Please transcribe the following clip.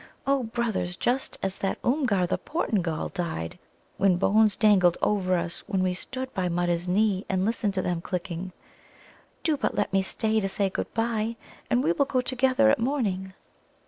O brothers, just as that Oomgar, the Portingal, died whose bones dangled over us when we stood by Mutta's knee and listened to them clicking. Do but let me stay to say good bye, and we will go together at morning!"